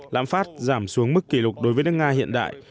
lãm phát giảm xuống mức kỷ lục đối với nước nga hiện đại